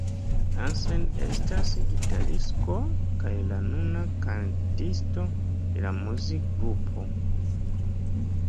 Hansen estas gitaristo kaj la nuna kantisto de la muzikgrupo.